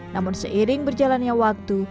namun seiring berjalannya waktu